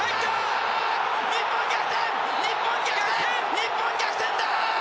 日本、逆転だ！